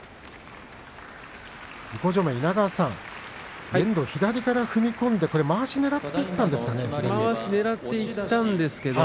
向正面の稲川さん、遠藤は左から踏み込んで、まわしをねらっていったんですかね。